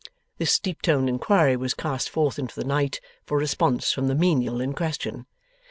This deep toned inquiry was cast forth into the night, for response from the menial in question.